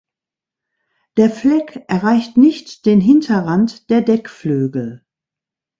Der Fleck erreicht nicht den Hinterrand der Deckflügel.